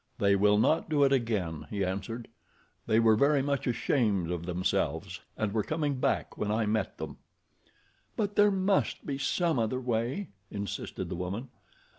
"They will not do it again," he answered. "They were very much ashamed of themselves, and were coming back when I met them." "But there must be some other way," insisted the woman.